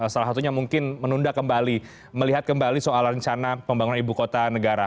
salah satunya mungkin menunda kembali melihat kembali soal rencana pembangunan ibu kota negara